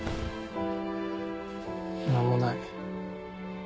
何もない。